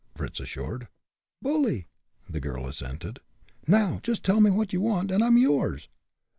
Fritz assured. "Bully!" the girl assented. "Now, just tell me what you want, and I'm yours."